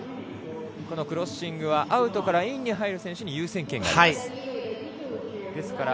クロッシングはアウトからインに入る選手に優先権があります。